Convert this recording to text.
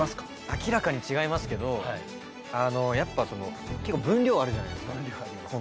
明らかに違いますけどやっぱその結構分量あるじゃないですかコント。